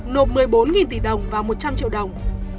nộp một mươi bốn tỷ đồng và một trăm linh triệu đồng